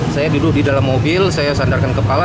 saya duduk di dalam mobil saya sandarkan kepala